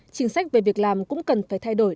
chính sách về việc làm cũng cần phải thay đổi